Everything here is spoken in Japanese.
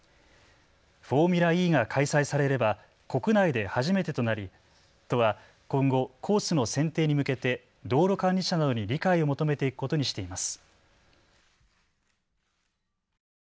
フォーミュラＥが開催されれば国内で初めてとなり都は今後、コースの選定に向けて道路管理者などに理解を求めていくことにしています。